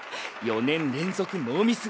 ４年連続ノーミス。